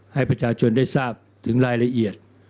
ให้ประชาชนได้ทราบถึงรายละเอียด